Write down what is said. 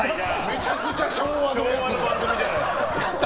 めちゃくちゃ昭和の番組じゃないですか。